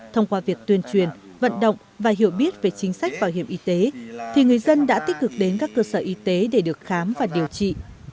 thông qua việc tuyên truyền vận động và hiểu biết về chính sách bảo hiểm y tế thì người dân đã tích cực đến các cơ sở y tế để được khám và điều trị